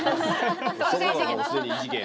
そこがもうすでに異次元。